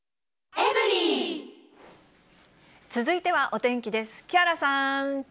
続いてはお天気です。